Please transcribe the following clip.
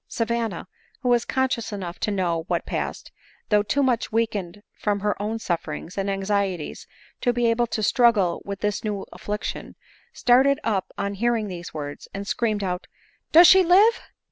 Savanna, who was conscious enough to know what passed, though too much weakened from herown suffer ings and anxieties to be able to struggle with this new affliction, started up on hearing these words, and scream ed out, " does she live